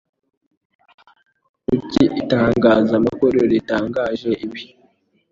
Kuki itangazamakuru ritatangaje ibi?